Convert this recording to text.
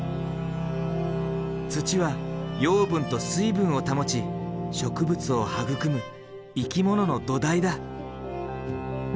土は養分と水分を保ち植物を育む生き物の土台だ。